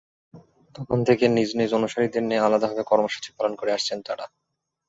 তখন থেকে নিজ নিজ অনুসারীদের নিয়ে আলাদাভাবে কর্মসূচি পালন করে আসছেন তাঁরা।